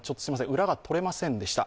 裏が取れませんでした。